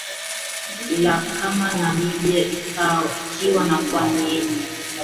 la kama Namibia ikiwa na pwani yenye